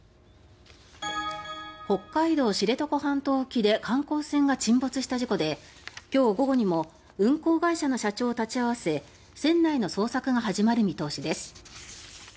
北海道・知床半島沖で観光船が沈没した事故で今日午後にも運航会社の社長を立ち会わせ船内の捜索が始まる見通しです。